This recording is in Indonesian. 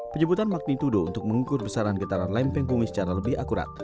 penyebutan magnitudo untuk mengukur besaran getaran lempeng bumi secara lebih akurat